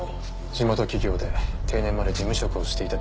地元企業で定年まで事務職をしていたという山際さん。